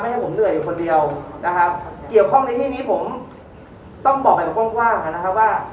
ให้ผมเหนื่อยอยู่คนเดียวนะครับเกี่ยวข้องในที่นี้ผมต้องบอกแบบกว้างนะครับว่า